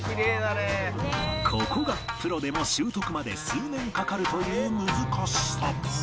ここがプロでも習得まで数年かかるという難しさ